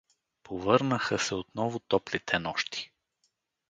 Повърнаха се отново топлите нощи.